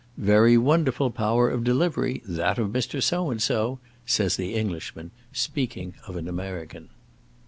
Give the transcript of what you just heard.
"Very wonderful power of delivery, that of Mr. So and So," says the Englishman, speaking of an American.